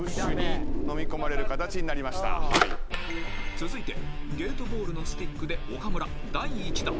［続いてゲートボールのスティックで岡村第１打］